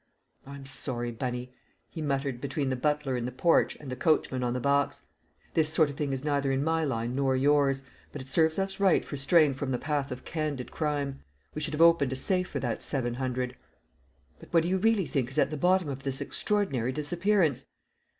"I'm sorry, Bunny," he muttered between the butler in the porch and the coachman on the box. "This sort of thing is neither in my line nor yours, but it serves us right for straying from the path of candid crime. We should have opened a safe for that seven hundred." "But what do you really think is at the bottom of this extraordinary disappearance?"